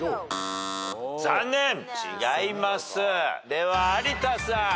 では有田さん。